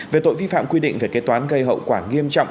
về tội vi phạm quy định về kế toán gây hậu quả nghiêm trọng